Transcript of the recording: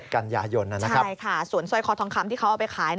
๑๗การยาโยนนะครับใช่ค่ะส่วนซอยคอทองคำที่เขาเอาไปขาย